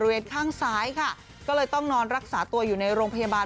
ข้างซ้ายค่ะก็เลยต้องนอนรักษาตัวอยู่ในโรงพยาบาล